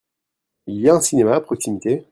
Il y a un cinéma à proximité ?